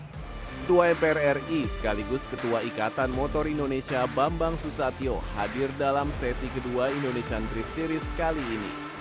ketua mpr ri sekaligus ketua ikatan motor indonesia bambang susatyo hadir dalam sesi kedua indonesian drift series kali ini